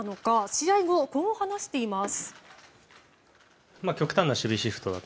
試合後、こう話しています。